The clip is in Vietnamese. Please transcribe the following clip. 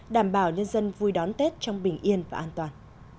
đảm bảo nhân dân vui đón tết trong bình yên và an toàn